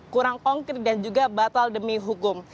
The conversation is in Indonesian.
kurang konkret dan juga batal demi hukum